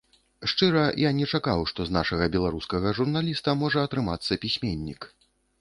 Шчыра, я не чакаў, што з нашага беларускага журналіста можа атрымацца пісьменнік.